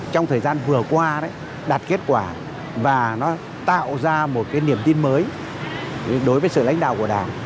trong thời gian vừa qua đạt kết quả và nó tạo ra một niềm tin mới đối với sự lãnh đạo của đảng